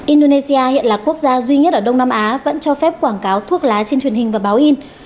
indonesia hiện là quốc gia duy nhất ở đông nam á vẫn cho phép quảng cáo thuốc lá trên truyền hình và báo in